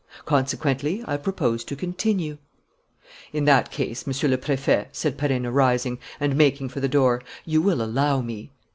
Consequently, I propose to continue ..." "In that case, Monsieur le Préfet," said Perenna, rising and making for the door, "you will allow me